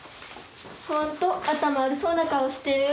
本当頭悪そうな顔してる。